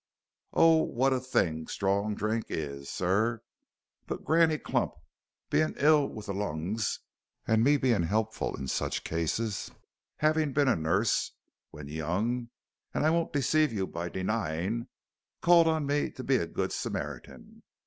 "Oh, what a thing strong drink is, sir! But Granny Clump, bein' ill with the lungses, and me bein' 'elpful in sich cases, 'aving bin a nuss, when young, as I won't deceive you by denying, called on me to be a good Smart 'un.